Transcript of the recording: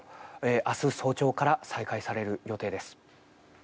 明日、早朝から再開される予定です。